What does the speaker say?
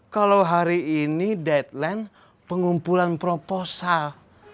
kalau hari ini deadline pengumpulan proposal